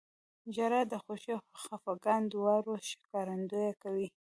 • ژړا د خوښۍ او خفګان دواړو ښکارندویي کوي.